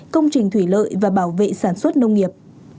công trình thủy lợi và bảo vệ sản xuất nông nghiệp